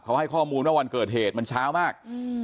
เขาให้ข้อมูลว่าวันเกิดเหตุมันเช้ามาก